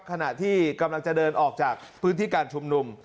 ขณะที่กำลังจะเดินออกจากพื้นที่การชุมนุม